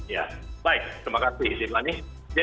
ya baik terima kasih tiplani